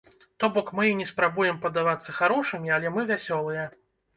То бок мы і не спрабуем падавацца харошымі, але мы вясёлыя.